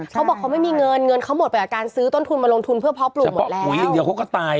เขาบอกเขาไม่มีเงินเงินเขาหมดไปกับการซื้อต้นทุนมาลงทุนเพื่อเพาะปลูกหมดแล้ว